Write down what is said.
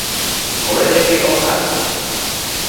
Owere gi ohala?